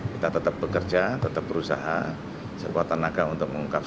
kita tetap bekerja tetap berusaha sekuatan agar untuk mengungkapnya